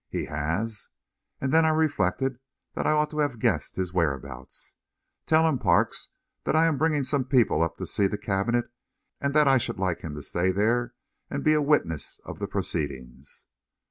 "He has!" and then I reflected that I ought to have guessed his whereabouts. "Tell him, Parks, that I am bringing some people up to see the cabinet, and that I should like him to stay there and be a witness of the proceedings."